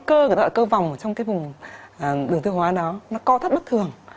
cái loại cơ vòng trong cái vùng đường tiêu hóa đó nó co thấp bất thường